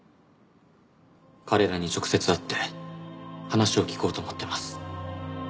彼らに直接会って話を聞こうと思っています。